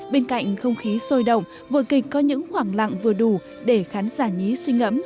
bên cạnh không khí sôi động vừa kịch có những khoảng lặng vừa đủ để khán giả nhí suy ngẫm